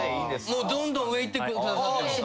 どんどん上いってくださっても。